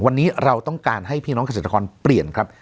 วันนี้เราต้องการให้พี่น้องเกษตรกรเปลี่ยนครับ